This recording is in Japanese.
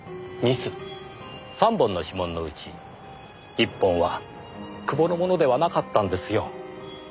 ３本の指紋のうち１本は久保のものではなかったんですよ。